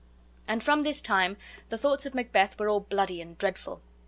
And from this time the thoughts of Macbeth were all bloody and dreadful.